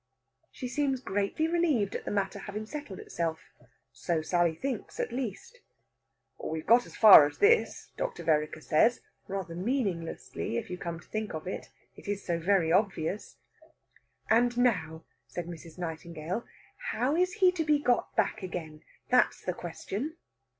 She seems greatly relieved at the matter having settled itself so Sally thinks, at least. "We got as far as this," Dr. Vereker says rather meaninglessly, if you come to think of it. It is so very obvious. "And now," says Mrs. Nightingale, "how is he to be got back again? That's the question!"